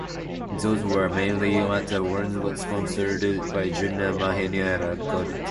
Those were mainly the ones sponsored by Juana Manuela Gorriti.